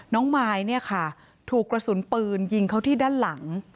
มายเนี่ยค่ะถูกกระสุนปืนยิงเขาที่ด้านหลัง